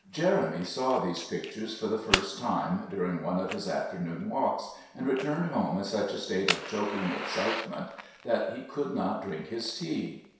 Jeremy saw these pictures for the first time during one of his afternoon walks, and returned home in such a state of choking excitement that he could not drink his tea.